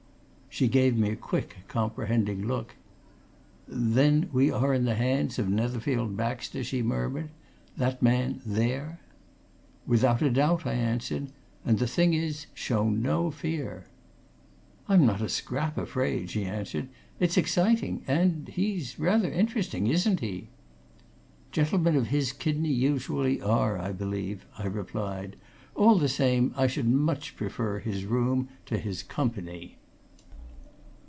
She gave me a quick, comprehending look. "Then we are in the hands of Netherfield Baxter?" she murmured. "That man there." "Without a doubt," I answered. "And the thing is show no fear." "I'm not a scrap afraid," she answered. "It's exciting! And he's rather interesting, isn't he?" "Gentlemen of his kidney usually are, I believe," I replied. "All the same, I should much prefer his room to his company."